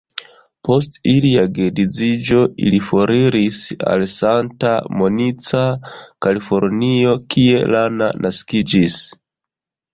Post ilia geedziĝo ili foriris al Santa Monica, Kalifornio kie Lana naskiĝis.